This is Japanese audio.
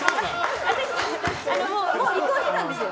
もう離婚してたんですよ